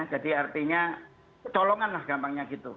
jadi artinya kecolongan lah gampangnya gitu